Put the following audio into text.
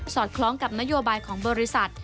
อดคล้องกับนโยบายของบริษัท